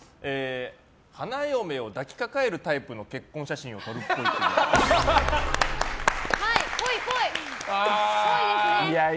花嫁を抱きかかえるタイプの結婚写真を撮るっぽい。